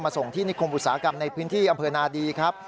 มาส่งที่นิคมบุษากรรมในพื้นที่อำเภณีดีครับ